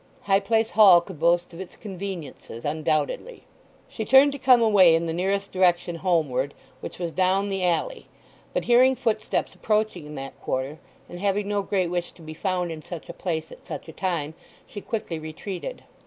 High Place Hall could boast of its conveniences undoubtedly. She turned to come away in the nearest direction homeward, which was down the alley, but hearing footsteps approaching in that quarter, and having no great wish to be found in such a place at such a time she quickly retreated.